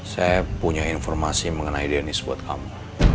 saya punya informasi mengenai deonis buat kamu